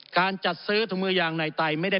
การจัดซื้อถุงมือยางในไต